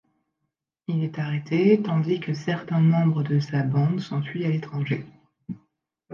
Il est arrêté, tandis que certains membres de sa bande s'enfuient à l'étranger.